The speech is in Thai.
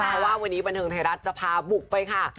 เพราะว่าวันนี้บันเทิงไทยรัฐจะพาบุกไปค่ะ